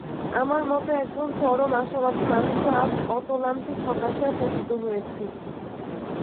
আমার মতো একজন চরম আশাবাদী মানুষও আজ অতলান্তিক হতাশায় পতিত হয়েছি।